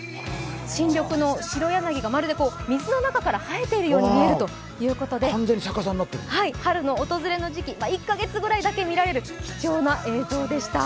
新緑のシロヤナギがまるで水の中から生えているように見えるということで春の訪れの時期、１カ月ぐらいだけ見られる貴重な映像でした。